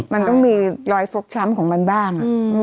มันก็มีลอยขักช้ำของมันบ้าง